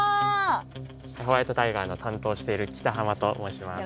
ホワイトタイガーの担当をしている北濱と申します。